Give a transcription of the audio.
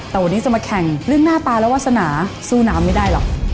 แต่วันนี้จะมาแข่งเรื่องหน้าตาและวาสนาสู้น้ำไม่ได้หรอก